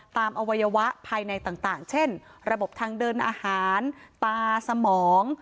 อวัยวะภายในต่างเช่นระบบทางเดินอาหารตาสมอง